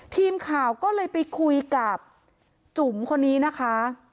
ทีมข่าวก็เลยไปคุยกับจุ๋มคนนี้นะคะ